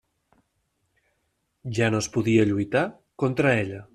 Ja no es podia lluitar contra ella.